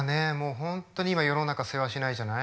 本当に今世の中せわしないじゃない。